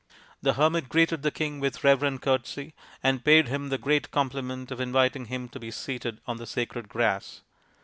The hermit greeted the king with reverent courtesy, and paid him the great compliment of inviting him to be seated on the sacred grass.